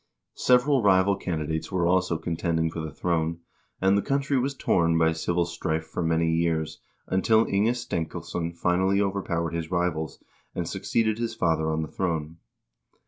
Several rival candidates were also contending for the throne, and the country was torn by civil strife for many years, until Inge Stenkilsson finally overpowered his rivals, and succeeded his father on the throne.